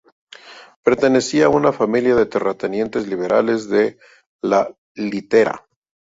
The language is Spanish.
Pertenecía a una familia de terratenientes liberales de La Litera.